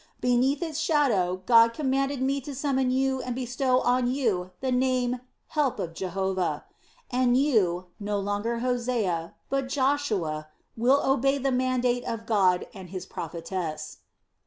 Beneath its shadow God commanded me to summon you and bestow on you the name 'Help of Jehovah' and you, no longer Hosea, but Joshua, will obey the mandate of God and His prophetess."